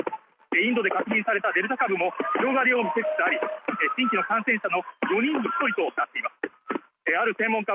インドで確認されたデルタ株も広がりを見せつつあり、新規の感染者の４人に１人となっています。